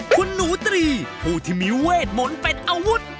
คุณหนูตรีผู้ที่มีเวทหมุนเป็นอาวุธ